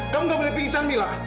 kamu gak boleh pingsan mila